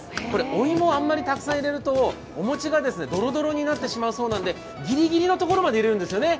お芋あんまりたくさんいれるとお持ちがどろどろになってしまうのでギリギリのところまで入れるんですよね？